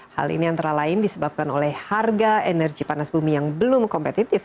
hal ini antara lain disebabkan oleh harga energi panas bumi yang belum kompetitif